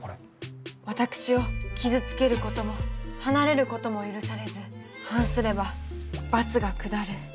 私を傷つけることも離れることも許されず反すれば罰が下る。